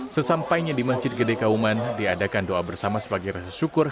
sesampainya di masjid gede kauman diadakan doa bersama sebagai rasa syukur